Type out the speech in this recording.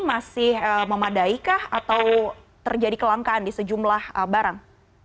masih memadaikah atau terjadi kelangkaan di sejumlah barang